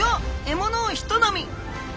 獲物をひと飲み。